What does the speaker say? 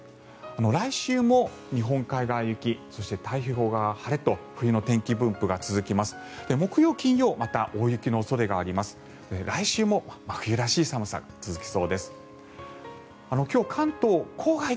来週も日本海側は雪そして、太平洋側は晴れと冬の天気分布が続きます。